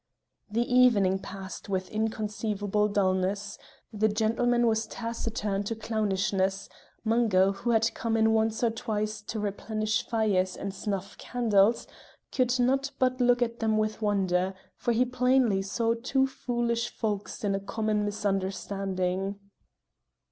The evening passed with inconceivable dulness; the gentleman was taciturn to clownishness; Mungo, who had come in once or twice to replenish fires and snuff candles, could not but look at them with wonder, for he plainly saw two foolish folks in a common misunderstanding.